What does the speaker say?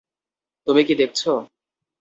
তুমি কী দেখছো?